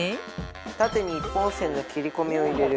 縦に１本線の切り込みを入れる。